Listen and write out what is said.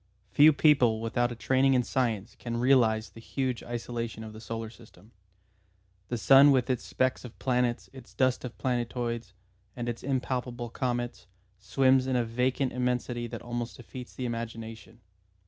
Few people without a training in science can realise the huge isolation of the solar system. The sun with its specks of planets, its dust of planetoids, and its impalpable comets, swims in a vacant immensity that almost defeats the imagination.